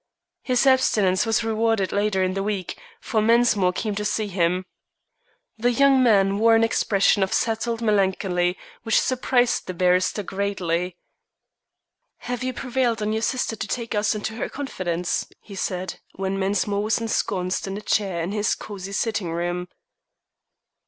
His abstinence was rewarded later in the week, for Mensmore came to see him. The young man wore an expression of settled melancholy which surprised the barrister greatly. "Have you prevailed on your sister to take us into her confidence?" he said, when Mensmore was ensconced in a chair in his cosy sitting room.